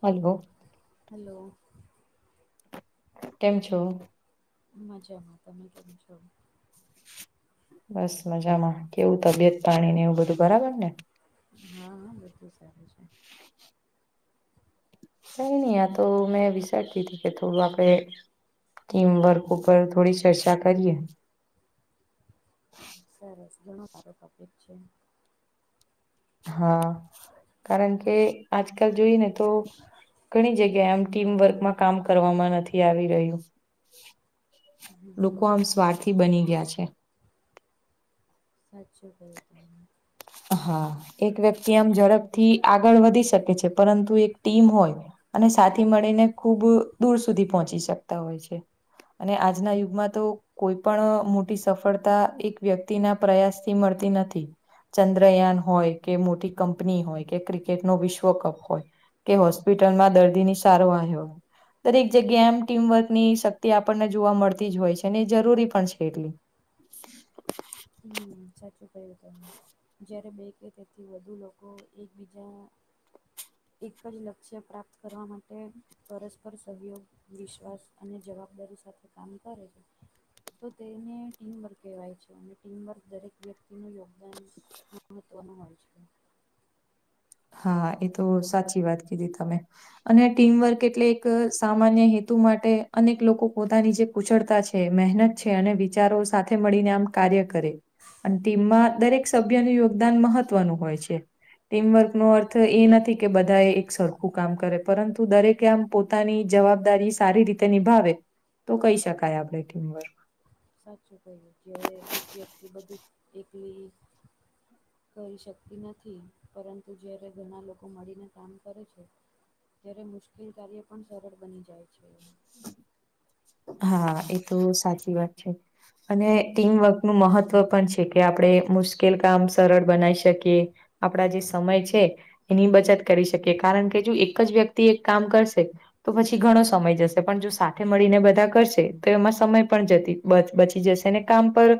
હલ્વો hello કેમ છો મજામાં તમે કેમ છો બસ મજામાં કેવું તબિયત પાણી ને એવું બધું બરાબર ને હા હા બધું સારું છે નઈ નહી આ તો મેં વિચારતી હતી કે થોડું આપણે ટીમ વર્ક ઉપર થોડી ચર્ચા કરીએ હ સરસ ઘણો સારો ટોપિક છે. હા, કારણ કે આજકાલ જોઈ ને તો ઘણી જગ્યાએ આમ ટીમવર્કમાં કામ કરવામાં નથી આવી રહ્યું. લોકો હમ આમ સ્વાર્થી બની ગયા છે. હાચુ કયું તમે. હા, એક વ્યક્તિ આમ ઝડપથી આગળ વધી શકે છે પરંતુ એક ટીમ હોય અને સાથેથી મળીને ખુબ દૂર સુધી પહોંચી શકતા હોય છે. અને આજના યુગમાં તો કોઈ પણ અહ મોટી સફળતા એક વ્યક્તિના પ્રયાસથી મળતી નથી. ચંદ્રયાન હોય કે મોટી કંપની હોય કે ક્રિકેટ નો વિશ્વ કપ હોય. કે હોસ્પિટલ માં દર્દી ની સારવાય હોય દરેક જગ્યા આમ ટીમવર્ક ની શક્તિ આપણને જોવા મળતી જ હોય છે ને એ જરૂરી પણ છે એટલી. હમ્મ, સાચું કયું તમે. જયારે બે કે તે થી વધુ લોકો એકબીજા એક જ લક્ષ્ય પ્રાપ્ત કરવા માટે પરસ્પર સહયોગ વિશ્વાસ અને જવાબદારી સાથે કામ કરે છે તો તેને ટીમ વર્ક કહેવાય છે. અને ટીમવર્ક દરેક વ્યક્તિનું યોગદાન મહત્ત્વનું હોય છે. હા, એ તો સાચી વાત કીધી તમે. અને ટીમવર્ક એટલે એક સામાન્ય હેતુ માટે અનેક લોકો પોતાની જે કુશળતા છે મહેનત છે અને વિચારો સાથે મળીને આમ કાર્ય કરે અન ટીમમાં દરેક સભ્યનું યોગદાન મહત્વનું હોય છે. ટીમવર્ક નો અર્થ એ નથી કે બધાએ એક સરખું કામ કરે પરંતુ દરેકે આમ પોતાની જવાબદારી સારી રી તે નિભાવે તો કહી શકાય આપડે ટીમવર્ક. સાચું કહ્યું જ એક વ્યક્તિ બધું એકલી કરી શકતી નથી પરંતુ જ્યારે ઘણા લોકો મળીને કામ કરે છે ત્યારે મુશ્કેલ કાર્ય પણ સરળ બની જાય છે એમ. હા, એ તો સાચી વાત છે. અને એટલે ટીમવક નું મહત્વ પણ છે કે આપડે મુશ્કેલ કામ સરળ બનાઈ શકીએ આપડા જે સમય છે એની બચત કરી શકીએ કારણ કે જો એક જ વ્યક્તિ એક કામ કરશે તો પછી ઘણો સમય જશે પણ જો સાથે મળીને બ ધા કરશે તો એમાં સમય પણ જતી બ-બચી જશે કામ પર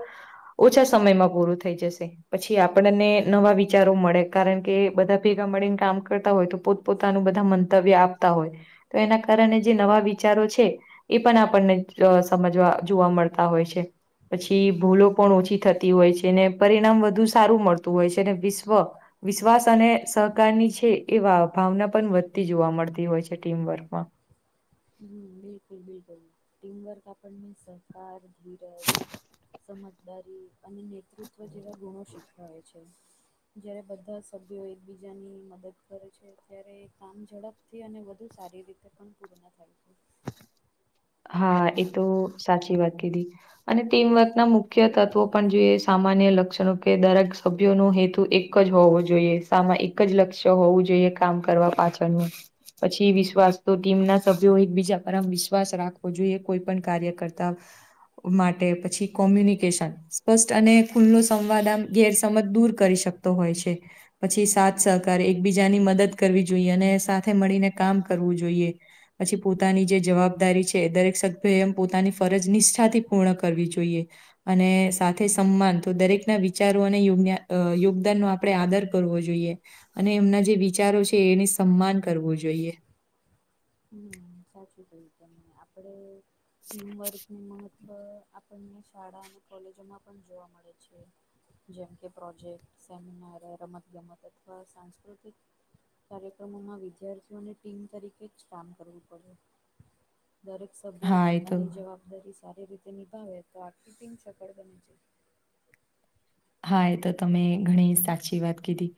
ઓછા સમયમાં પૂરું થઈ જશે પછી આપણને નવા વિચારો મળે. કારણ કે બધા ભેગા મળીને કામ કરતા હોય તો પોત પોતાનું બધા મંતવ્ય આપતા હોય તો એના કારણે જે નવા વિચારો છે એ પણ આપણને અહ સમજવા જોવા મળતા હોય છે. પછી ભૂલો પણ ઓછી થતી હોય છે ને પરિણામ વધુ સારું મળતું હોય છે. અને વિશ્વ વિશ્વાસ અને સહકારની છે એ ભાવ ભાવના પણ વધતી જોવા મળતી હોય છે ટીમવર્કમાં. હમ્મ બિલકુલ બિલકુલ ટીમવર્ક આપણને સહકાર ધીરજ સમજદારી અને નેતૃત્વ જેવા ગુણો શીખવાવે છે. જ્યારે બધા સભ્યો એકબીજાની મદદ કરે છે ત્યારે કામ ઝડપ થી અને વધુ સારી રીતે પણ પૂર્ણ થયું હા, એ તો સાચી વાત કીધી. અને ટીમવર્ક ના મુખ્ય તત્વો પણ જોઈએ સામાન્ય લક્ષણો કે દરેક સભ્યોનો હેતુ એક કજ હોવું જોઈએ સામાં એક જ લક્ષ્ય હોવું જોઈએ કામ કરવા પાછળનું. પછી વિશ્વાસ તો ટીમ ના સભ્યો એકબીજા પર આમ વિશ્વાસ રાખ કોઈ પણ કાર્ય કરતા માટે પછી કોમ્યુનિકેશન સ્પષ્ટ અને ખુલ્લો સંવાદ આમ ગેરસમજ દૂર કરી શક તો હોય છે. પછી સાથ સહકારે એકબીજાની મદદ કરવી જોઈએ અને સાથે મળીને કામ કરવું જોઈએ પછી પોતાની જે જવાબદારી છે કે દરેક સભ્યો એમ પોતાની ફરજ નિષ્ઠાથી પૂર્ણ કરવી જોઈએ અને સાથે સમાન તો દરેકના વિચારો અનેયો યોગદાન નો આપ આપણે આદર કરવો જોઈએ અને એમના જે વિચારો છે એને સન્માન કરવું જોઈએ હમ્મ સાચું કયું તમેં આપડે ટીમવર્કનુ મહત્વ આપણને શાળા અને કોલેજોમાં પણ જોવા મળે છે જેમ કે પ્રોજેક્ટ સેમિનાર રમત ગમત અથવા સાંસ્કૃતિક કાર્યક્રમોમાં વિદ્યાર્થીઓ અને ટીમ તરીકે કામ કરવું પડે દરેક સભ્યોએ હા એ તો પોતાની જવાબદારી સારી રીતે નિભાવે તો આ ફિટિંગ સગડ બને છે હા એ તો તમે ઘણી સાચી વાત કીધી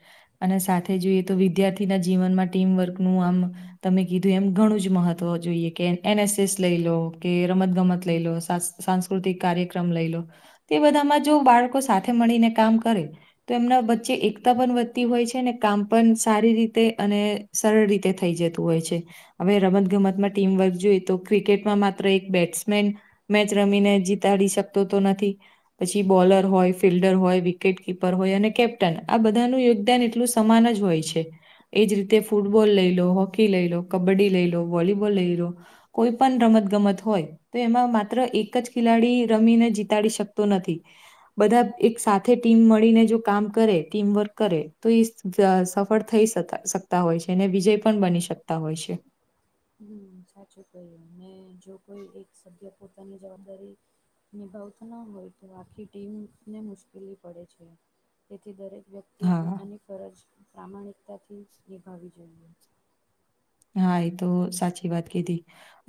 અને સાથે જોઈએ તો વિદ્યાર્થીના જીવનમાં ટીમવર્કનું આમ તમે કીધું એમ ઘણું જ મહત્વ જોઈએ કે એનએસએસ લઈ લો કે રમત ગમત લઈ લો સાંસ્કૃતિક કાર્યક્રમ લઈ લો તે બધામાં જો બાળકો સા થે મળીને કામ કરે તો એમના વચ્ચે એકતા પણ વધતી હોય છે ને કામ પણ સારી રીતે અને સરળ રીતે થઈ જતું હોય છે હવે રમતગમતમાં ટીમવર્ક જોઈએ તો ક્રિકેટમાં માત્ર એક બેટ્સમેન મેચ રમીને જીતાડી શકતો તો નથી પછી બોલર હોય ફિલ્ડર હોય વિકેટ કપર હોય અને કેપ્ટન આ બધાનું યોગદાન એટલું સમાન જ હોય છે એજ રીતે ફૂટબોલ લઈ લો હોકી લઈ લો કબડ્ડી લઈ લો વોલીબોલ લઈ લો કોઈ પણ રમત ગમત હોય તો એમાં માત્ર એક જ ખેલાડી રમીને જીતાડી શકતો નથી બધા એક સાથે ટીમ મળીને જો કામ કરે ટીમવર્ક કરે તો એ સફળ થઈ હોય છે અને વિજય પણ બની શકતા હોય છે હમ્મ સાચું કહી્યું અનેને જો કોઈ એક સભ્ય પોતાની જવાબદારી નિભાવતા ન હોય તો આખી ટીમને મુશ્કેલી પડે છે તેથી દરેક વ્યક્તિએ હા. પોતાની ફરજ પ્રામાણિકતાથી જ નિભાવવી જોઈએ હા એ તો સાચી વાત કીધી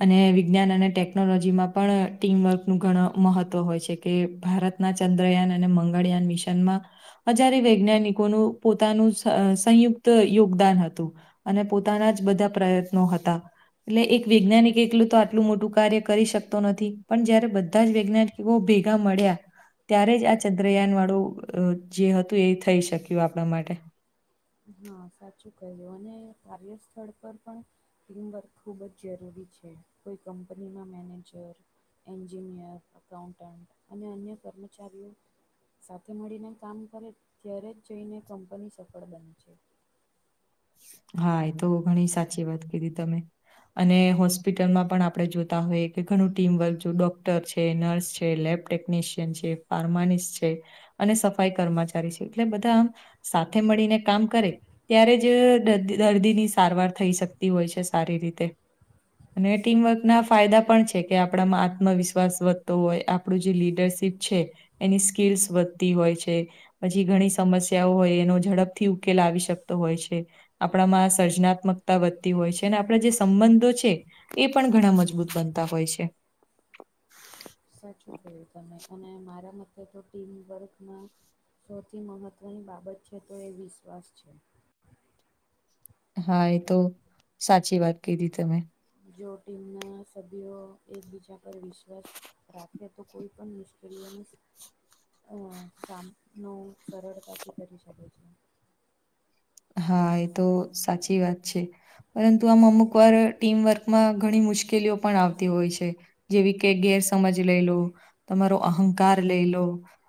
અને વિજ્ઞાન અને ટેકનોલોજી માં પણ ટીમવર્ક નું ઘણ મહત્વ હોય છે કે ભારતના ચંદ્રયાન અને મંગળયાન મિશનમાં અજ્યારે વૈજ્ઞાનિકોનું પોતાનું સંયુક્ત યોગદાન હતું અને પોતાના જ બધા પ્રયત્નો હતા એટલે એક વૈજ્ઞાનિક એકલું તો આટલું મોટું કાર્ય કરી શકતો નથી પણ જયારે બધા જ વૈજ્ઞાન કે બહ ભેગા મળ્યા ત્યારે જ આ ચંદ્રયાન વાળું જે હતું એ થઈ શક્યું આપણા માટે હા સાચું કહ્યું અને કાર્યસ્થળ પર પણ ટીમવર્ક ખૂબ જ જરૂરી છે કોઈ કંપનીના મેનેજર એન્જિનિયર અકાઉન્ટન્ટ અને અન્ય કર્મચારીઓ સાથે મળીને કામ કરે ત્યારે જ જઈને કંપની સફળ બન છે હા એ તો ઘણી સાચી વાત કીધી તમે અને હોસ્પિટલમાં પણ આપણે જોતા હોઈએ કે ઘણું ટીમવર્ક જો ડોક્ટર છે નર્સ છે લેબટેક ટેકનીશિયન છે ફાર્માનિસ્ટ છે અને સફાઈ કર્મચારી છે એટલે બધા આમ સાથે મળીને કામ કરે ત્યારે જ દર્દી ની સારવાર થઈ શકતી હોય છે સારી રીતે અને ટીમવર્કના ફાયદા પણ છે કે આપણામાં આત્મવિશ્વાસ વધતો હોય આપણું જે લીડરશીપ છે એની સ્કીલ્સ વધતી હોય છે પછી ઘણી સમસ્યાઓ હોય એનો ઝડપથી ઉકેલ આવી શકતો હોય છે આપણામાં સર્જનાત્મકતા વધતી હોય છે અને આપણા જે સંબંધો છે એ પણ ઘણા મજબૂત બનતા હોય છે સાચું કહ્યુ તમે અને મારા મથે તો ટીમ વર્કમાં સૌથી મહત્ત્વની બાબત છે તો એ વિશ્વાસ છે. હા એ તો સાચી વાત કીધી તમે જો ટીમના સભ્યો એકબીજા પર વિશ્વાસ રાખેએ તો કોઈ પણ મુશ્કેલીઓનું અ સામનો સરળતાથી કરી શકે છે. હા એ તો સાચી વાત છે. પરંતુ આમ અમુક વાર ટીમવર્કમાં ઘણી મુશ્કેલીઓ પણ આવતી હોય છે. જેવી કે ગેરસમજ લઈ લો તમારો અહંકાર લઈ લો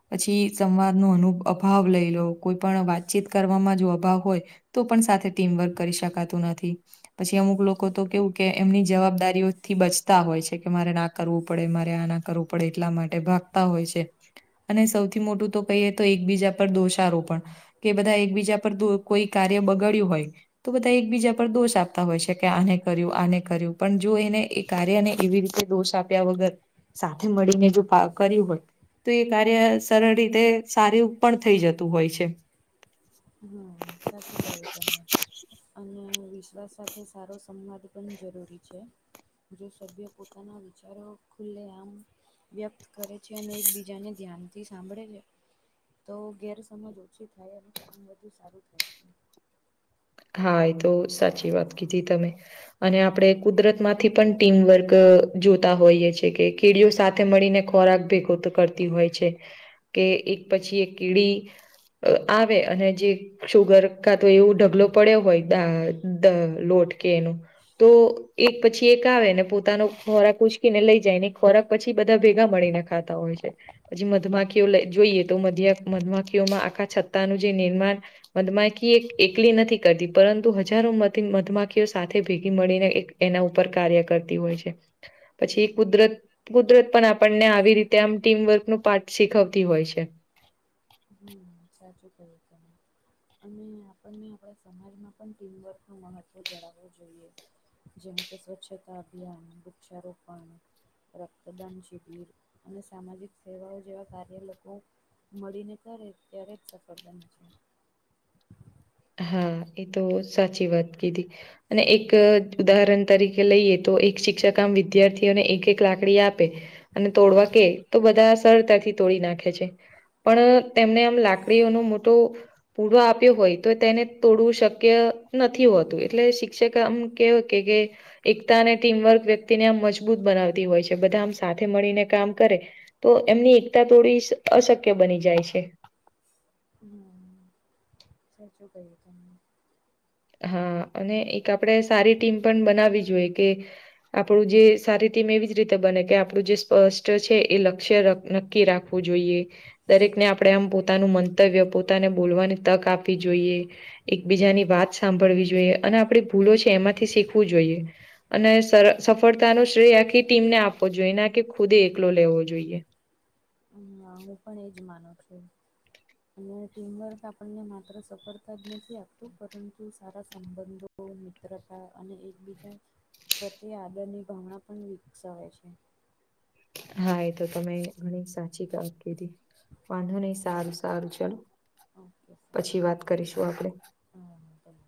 પછી સંવાદ નુ અનુ અભાવ લઈ લો કોઈ પણ વાતચીત કરવાવામાં જો અભાવ હોય તો પણ સાથે ટીમવર્ક કરી શકાતું નથી. પછી અમુક લોકો તો કેવું કે એમની જવાબદારીઓથી બચતા હોય છે કે મારે ના કરવું પડે મારે આ ના કરવું પડે એટલા માટે ભાગતા હોય છે. અને સૌથી મોટું તો કહીએ તો એકબીજા પર દોષારોપણ કે બધા એકબીજા પર દો કોઈ કાર્ય બગાડ્યું હોય તો બધા એકબીજા પર દોષ આપતા હોય છે કે આને કર્યું આને કર્યું પણ જો એને એ કાર્યને એવી રીતે દોષ આપ્યા વગર સાથે મળીને જો કા કર્યું હોય તો એ કાર્ય સરળ રીતે સારી પણ થઈ જતું હોય છે હમ્મ સાચું કેયું તમે અને વિશ્વાસ સાથે સારો સંવાદ પણ જરૂરી છે. જે સભ્ય પોતાના વિચારો ખુલ્લે આમ વ્યક્ત કરે છે અને એકબીજાને ધ્યાનથી સાંભળે ને તો ગેરસમજ ઓછી થાય અને કામ વધુ સારું થાય એમ હા એ તો સાચી વાત કીધી તમે અને આપળે કુદરત માંથી પણ ટીમવર્ક અ જોતા હોઈએ છીએ કે કીડીઓ સાથે મળીને ખોરાક ભેગો તો કરતી હોય છે કે એક પછી એક કીડી અ આવે અને જે શુગર કા તો એવું ઢગલો પડ્યો હોય દાઆ દ લોટ કે એનું તો એક પછી એક આવે ને પોતાનું ખોરાક ઉછકીને લઈ જાય એ ખોરાક પછી બધા ભેગા મળીને ખાતા હોય છે. પછી મધમાખીયો લય જોઈએ તો મધ્ય મધમાખીઓમાં આખા છતાંનું જે નિર્માણ મધમાખી એક એકલી નથી કરદી પરંતુ હજારો મધી મધમાખીઓ સાથે ભેગી મળીને એક એના ઉપર કાર્ય કરતી હોય છે. પછી કુદરત કુદરત પણ આપણને આવી રીતે આમ ટીમવર્કનું પાર્ટ શીખવતી હોય છે. હમ્મ સાચું કયું તમે અને આપણને આપળા સમાજમાં પણ ટીમવર્ક નું મહત્વ જળાવું જોઈએ. જેમ કે સ્વચ્છતા અભિયાન, વૃક્ષારોપણ રક્તદાન શિબિર અને સામાજિક સેવાઓ જેવા કાર્ય લોકો મળીને કરે ત્યારે જ સફળ બને છે. હા એ તો સાચી વાત કીધી અને એક ઉદાહરણ તરીકે લઈએ તો એક શિક્ષક આમ વિદ્યાર્થીઓને એક એક લાકડી આપે અને તોડવા કે તો બધા સરળતાથી તોડી નાખે છે. પણ તેમને આમ લાકડીઓનો મોટો પૂરો આપ્યો હોય તો તેને તોડવું શક્ય નથી હોતું એટલે શિક્ષક આમ કેવા કે કે એકતા અને ટીમવર્ક વ્યક્તિને આમ મજબૂત બનાવતી હોય છે બધા આમ સાથે મળીને કામ કરે તો એમની એકતા તોળવી અશક્ય બની જાય છે. હમ્મ. સાચું કયું તમે. હા અને એક આપળે સારી ટીમ પણ બનાવી જુએ કે આપળુ જે સારી ટીમ એવી જ રીતે બને કે આપળુ જે સ્પષ્ટ છે એ લક્ષ્ય ર નક્કી રાખ રાખવું જોઈએ. દરેકને આપળે આમ પોતાનું મંતવ્ય, પોતાને બોલવાની તક આપવી જોઈએ. એકબીજાની વાત સાંભળવી જોઈએ અને આપળી ભૂલો છે એમાંથી શીખવું જોઈએ. અને સળ સફળતા નું શ્રેય આખી ટીમને આપવો જોઈએ ના કે ખુદે એકલો લેવો જોઈએ. હમમ હું પણ એજ માનું છું. અને ટીમવર્ક આપણને માત્ર સફળતા જ નથી આપતું પરંતુ સારા સંબંધો સબંધો, મિત્રતા અને એકબીજા પ્રત્યે આદર ની ભાવના પણ વિકસવે છે‌. હા એ તો તમે ઘણી સાચી ગત કીધી વાંધો નહી સારું સારું ચલો. ઓકે પછી સારું વાત કરીશું આપડે. આ હા ભલે.